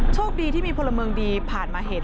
โชคดีที่มีพลเมืองดีผ่านมาเห็น